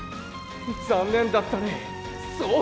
残念だったね総北！